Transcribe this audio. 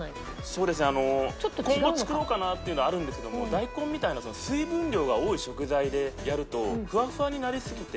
そうですね今後作ろうかなっていうのはあるんですけども大根みたいな水分量が多い食材でやるとふわふわになりすぎて。